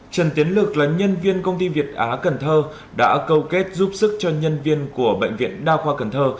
trần tiến lực là nhân viên công ty việt á cần thơ đã câu kết giúp sức cho nhân viên của bệnh viện đa khoa cần thơ